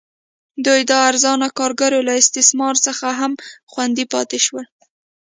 دوی د ارزانه کارګرو له استثمار څخه هم خوندي پاتې شول.